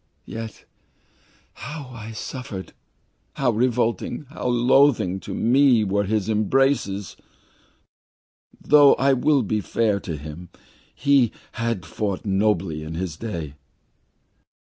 Yet how I suffered, how revolting, how loathsome to me were his embraces though I will be fair to him he had fought nobly in his day.